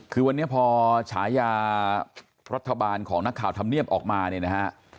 คือวันนี้พอฉายารัฐบาลของนักข่าวธรรมเนียบออกมาเนี่ยนะฮะ